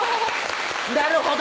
なるほど！